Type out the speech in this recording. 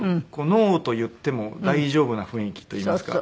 ノーと言っても大丈夫な雰囲気といいますか。